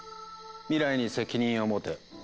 「未来に責任を持て」。